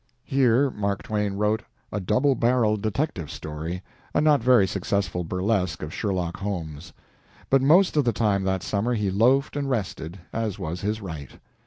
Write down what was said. Here Mark Twain wrote "A Double barreled Detective Story," a not very successful burlesque of Sherlock Holmes. But most of the time that summer he loafed and rested, as was his right.